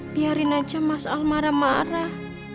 biarin aja mas al marah marah